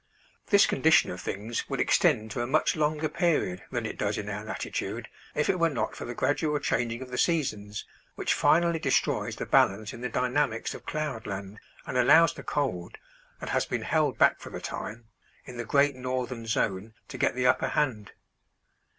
This condition of things would extend to a much longer period than it does in our latitude if it were not for the gradual changing of the seasons, which finally destroys the balance in the dynamics of cloud land and allows the cold that has been held back for the time in the great northern zone to get the upper hand.